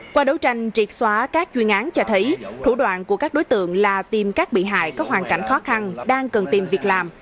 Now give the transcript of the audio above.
qua đấu tranh triệt xóa các chuyên án cho thấy thủ đoạn của các đối tượng là tìm các bị hại có hoàn cảnh khó khăn đang cần tìm việc làm